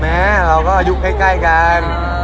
เราก็อายุใกล้กัน